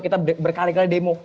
kita berkali kali demo